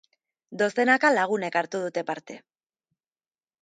Dozenaka lagunek hartu dute parte.